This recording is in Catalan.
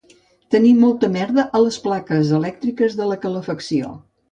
Tenir molta merda a les plaques electriques de la calefacció